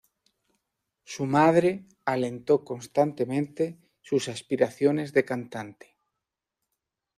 Su madre alentó constantemente sus aspiraciones de cantante.